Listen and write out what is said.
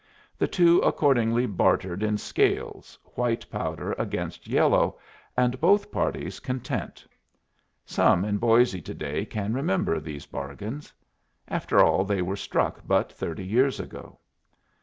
The two accordingly bartered in scales, white powder against yellow, and both parties content. Some in Boisé to day can remember these bargains. After all, they were struck but thirty years ago.